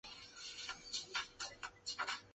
尚博纳人口变化图示